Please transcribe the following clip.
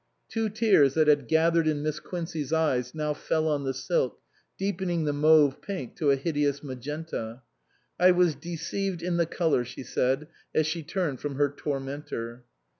Two tears that had gathered in Miss Quin cey's eyes now fell on the silk, deepening the mauve pink to a hideous magenta. " I was deceived iin the colour," she said as she turned from her tormentor.